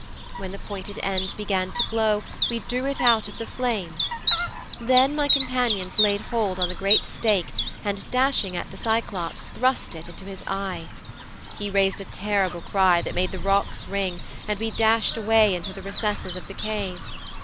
When the pointed end began to glow we drew it out of the flame. Then I and my companions laid hold on the great stake and, dashing at the Cyclops, thrust it into his eye. He raised a terrible cry that made the rocks ring and we dashed away into the recesses of the cave.'